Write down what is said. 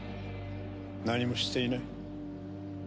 何もしていない。